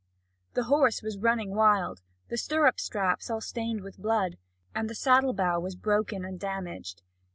The horse was running wild, the stirrup straps all stained with blood, and the saddle bow was broken and damaged.